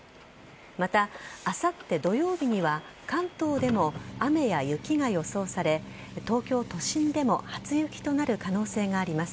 また、あさって土曜日には関東でも雨や雪が予想され東京都心でも初雪となる可能性があります。